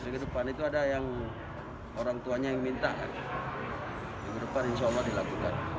di depan itu ada yang orang tuanya yang minta kan di depan insya allah dilakukan